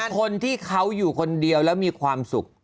คนที่เขาอยู่คนเดียวแล้วมีความสุข